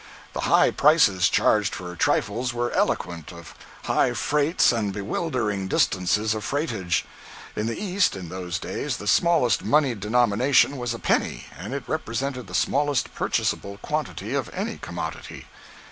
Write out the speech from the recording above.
The high prices charged for trifles were eloquent of high freights and bewildering distances of freightage. In the east, in those days, the smallest moneyed denomination was a penny and it represented the smallest purchasable quantity of any commodity.